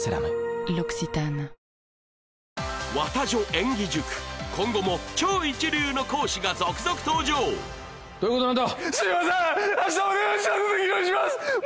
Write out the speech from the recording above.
演技塾今後も超一流の講師が続々登場どういうことなんだ？